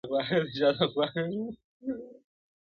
کورنۍ لا هم ټوټه ټوټه ده,